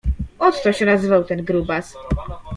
Otto się nazywał ten grubas.